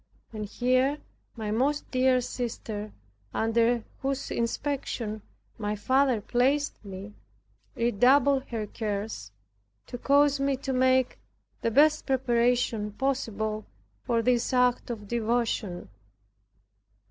And here my most dear sister, under whose inspection my father placed me, redoubled her cares, to cause me to make the best preparation possible for this act of devotion.